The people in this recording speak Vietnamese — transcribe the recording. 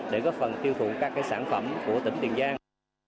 để góp phần tiêu thụ các sản phẩm của tỉnh tiền giang